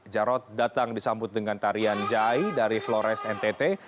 jarod datang disambut dengan tarian jai dari flores ntt